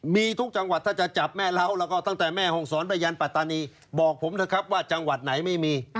มีทุกจังหวัดถ้าจะจับแม่เล้าแล้วก็ตั้งแต่แม่ห้องศรไปยันปัตตานีบอกผมเถอะครับว่าจังหวัดไหนไม่มี